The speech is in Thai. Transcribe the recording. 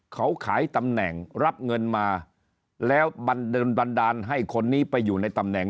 เขาขายตำแหน่งรับเงินมาแล้วบันดาลให้คนนี้ไปอยู่ในตำแหน่ง